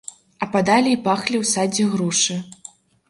Ападалi i пахлi ў садзе грушы.